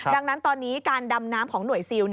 ดังนั้นตอนนี้การดำน้ำของหน่วยซิล